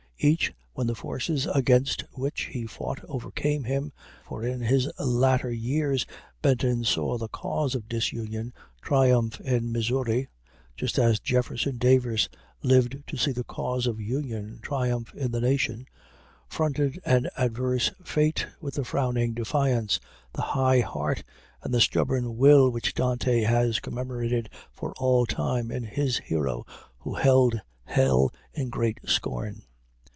Each, when the forces against which he fought overcame him for in his latter years Benton saw the cause of disunion triumph in Missouri, just as Jefferson Davis lived to see the cause of union triumph in the Nation fronted an adverse fate with the frowning defiance, the high heart, and the stubborn will which Dante has commemorated for all time in his hero who "held hell in great scorn."